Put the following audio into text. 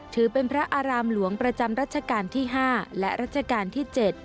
ถือเป็นพระอารามหลวงประจำรัชกาลที่๕และรัชกาลที่๗